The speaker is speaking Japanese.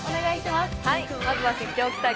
まずは知っておきたい